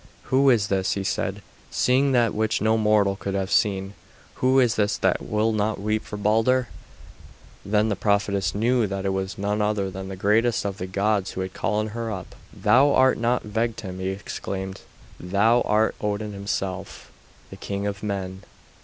"Who is this," he said, seeing that which no mortal could have seen; "who is this that will not weep for Balder?" Then the prophetess knew that it was none other than the greatest of the gods who had called her up. "Thou art not Vegtam," she exclaimed, "thou art Odin himself, the king of men."